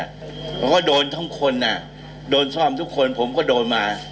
แล้วก็โดนทั้งคนอ่ะโดนซ่อมทุกคนผมก็โดนมา